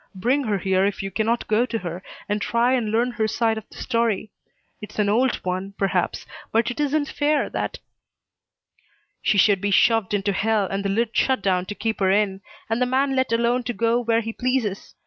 Bring her here if you cannot go to her, and try and learn her side of the story. It's an old one, perhaps, but it isn't fair that " "She should be shoved into hell and the lid shut down to keep her in, and the man let alone to go where he pleases.